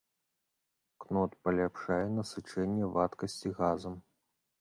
Кнот паляпшае насычэнне вадкасці газам.